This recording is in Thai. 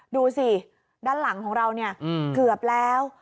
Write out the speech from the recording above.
ดูสิด้านหลังของเราเนี่ยเกือบแล้ว